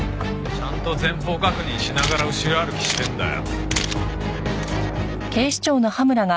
ちゃんと前方確認しながら後ろ歩きしてんだよ。